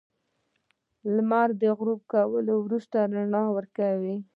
• لمر د غروب کولو وروسته رڼا ورکوي.